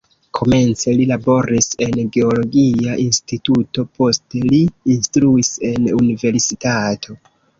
Komence li laboris en geologia instituto, poste li instruis en universitato.